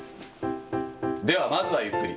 では、まずはゆっくり。